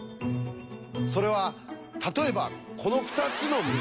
それは例えばこの２つの結び目。